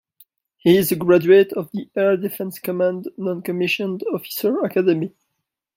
He is a graduate of the Air Defense Command Noncommissioned Officer Academy.